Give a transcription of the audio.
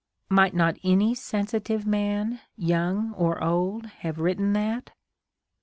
Might not any sensitive man, young or old, have written that?